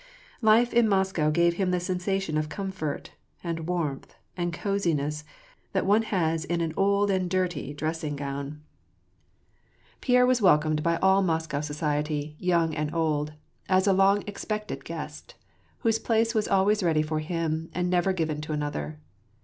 Life in Moscow gave him the sensation of comfort, and warmth, and cosiness^ that one has in an old and dirty dressing gown. 307 808 WAR AND PEACE, Pierre was welcomed by all Moscow society, yonng and old, as a long expected guest, whose place was always ready for him and never given to another.